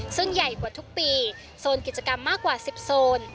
ซึ่งใหญ่กว่าทุกปีโซนกิจกรรมมากกว่า๑๐โซน